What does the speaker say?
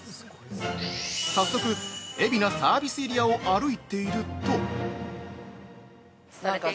早速、海老名サービスエリアを歩いていると◆